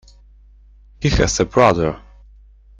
He has a brother.